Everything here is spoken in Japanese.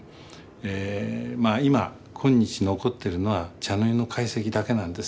今今日残ってるのは茶の湯の懐石だけなんです。